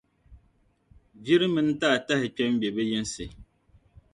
viri mini taatahi kpe m-be bɛ yinsi.